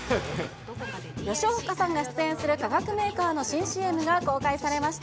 吉岡さんが出演する化学メーカーの新ＣＭが公開されました。